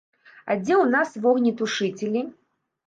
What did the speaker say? А дзе ў нас вогнетушыцелі?